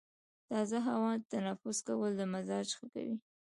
تازه هوا تنفس کول د مزاج ښه کوي.